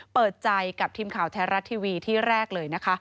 เปิดใจกับทีมข่าวแท้รัฐทีวีที่แรกเลยนะคะ